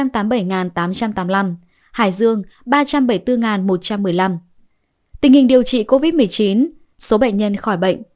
tình hình điều trị covid một mươi chín số bệnh nhân khỏi bệnh